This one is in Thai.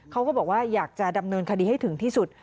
เขาก็บอกว่าอยากจะดำเนินคดีให้ถึงที่สุด